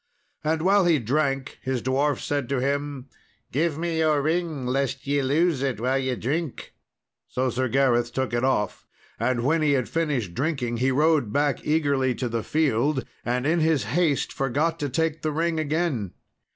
And while he drank, his dwarf said to him, "Give me your ring, lest ye lose it while ye drink." So Sir Gareth took it off. And when he had finished drinking, he rode back eagerly to the field, and in his haste forgot to take the ring again.